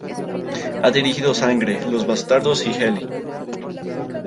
Ha dirigido "Sangre", "Los bastardos" y "Heli".